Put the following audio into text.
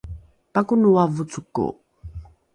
pakonoa vocoko!